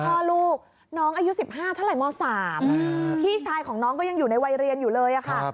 พ่อลูกน้องอายุ๑๕เท่าไหร่ม๓พี่ชายของน้องก็ยังอยู่ในวัยเรียนอยู่เลยค่ะ